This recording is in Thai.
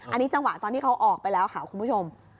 อันนี้จังหวะตอนที่เขาออกไปแล้วค่ะคุณผู้ชม